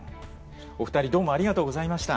お二人どうもありがとうございました。